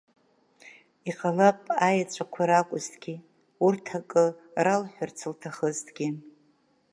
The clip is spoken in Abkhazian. Иҟалап аеҵәақәа ракәызҭгьы, урҭ акы ралҳәарц лҭахызҭгьы.